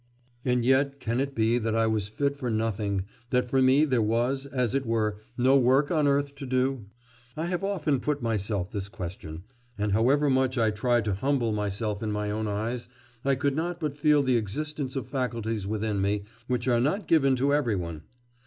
And yet can it be that I was fit for nothing, that for me there was, as it were, no work on earth to do? I have often put myself this question, and, however much I tried to humble myself in my own eyes, I could not but feel the existence of faculties within me which are not given to every one!